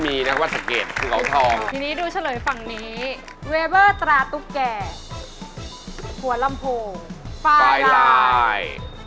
นี่คือแผ่นป้ายที่คุณเลือกแล้วนะครับ